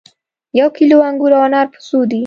یو کیلو انګور او انار په څو دي